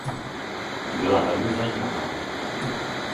Byla velmi zajímavá.